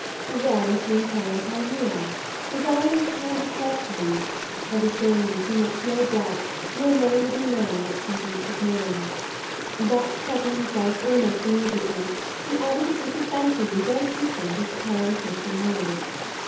Then she enquired how you are, desiring her kindest love to you, and assuring me she makes no doubt your name will be known at some future period; 84 MAUDE but checking herself almost immedi ately, she added that she could fancy you very different as pale Sister Maude.